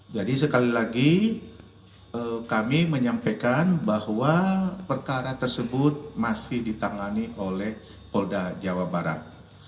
jadi sekali lagi kami menyampaikan bahwa perkara tersebut masih ditangani oleh polda jawa barat